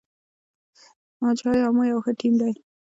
موج های امو یو ښه ټیم دی.